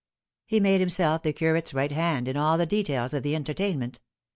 He made himself the curate's right hand in all the details of the entertain ment.